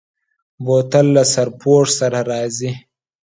بوتل له سرپوښ سره راځي.